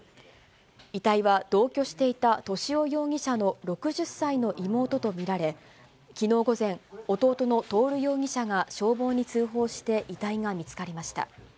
遺体は同居していた敏夫容疑者の６０歳の妹と見られ、きのう午前、弟の徹容疑者が消防に通報して遺体が見つかりました。